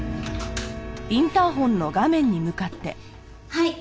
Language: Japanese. はい。